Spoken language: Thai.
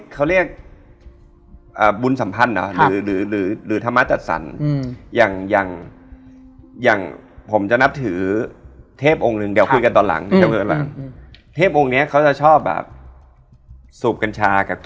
ก็คืออย่างเช่นเราแบบ